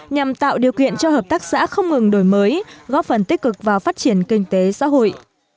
nhằm tạo điều kiện cho hợp tác xã không ngừng đổi mới góp phần tích cực vào phát triển kinh tế xã hội